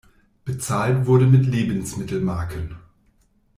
Bezahlt wurde mit Lebensmittelmarken.